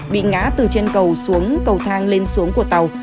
bị ngã từ trên cầu xuống cầu thang lên xuống của tàu